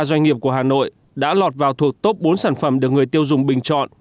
ba doanh nghiệp của hà nội đã lọt vào thuộc top bốn sản phẩm được người tiêu dùng bình chọn